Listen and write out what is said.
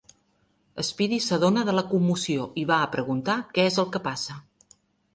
Speedy s'adona de la commoció i va a preguntar què és el que passa.